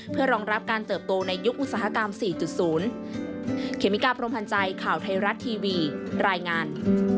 เพื่อรองรับการเติบโตในยุคอุตสาหกรรม๔๐